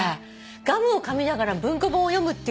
ガムをかみながら文庫本を読むっていうときにさ